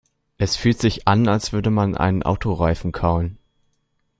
Es fühlt sich an, als würde man einen Autoreifen kauen.